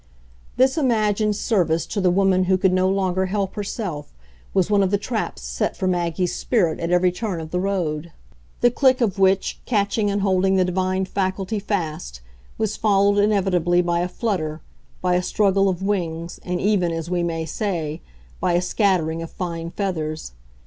This imagined service to the woman who could no longer help herself was one of the traps set for Maggie's spirit at every turn of the road; the click of which, catching and holding the divine faculty fast, was followed inevitably by a flutter, by a struggle of wings and even, as we may say, by a scattering of fine feathers.